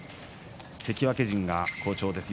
関脇陣が好調です。